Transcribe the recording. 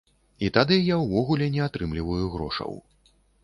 І тады я ўвогуле не атрымліваю грошаў.